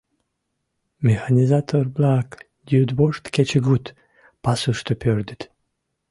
Механизатор-влак йӱдвошт-кечыгут пасушто пӧрдыт.